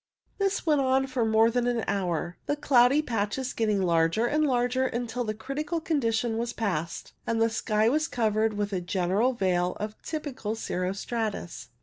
This went on for more than an hour, the cloudy patches getting larger and larger, until the critical condition was passed, and the sky was covered with a general veil of typical cirro stratus.